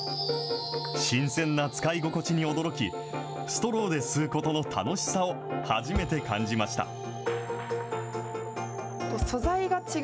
新鮮な使い心地に驚き、ストローで吸うことの楽しさを初めて感じました。